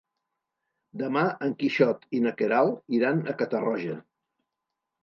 Demà en Quixot i na Queralt iran a Catarroja.